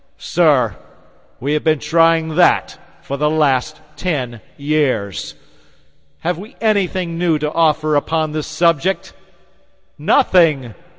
Sir, we have been trying that for the last ten years. Have we anything new to offer upon the subject? Nothing.